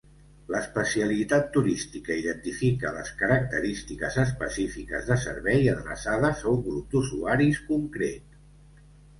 L'especialitat turística identifica les característiques específiques de servei adreçades a un grup d'usuaris concret.